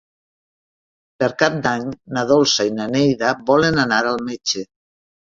Per Cap d'Any na Dolça i na Neida volen anar al metge.